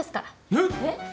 えっ？えっ？